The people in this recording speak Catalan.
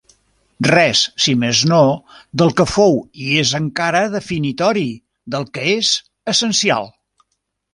Res, si més no, del que fou i és encara definitori, del que és essencial.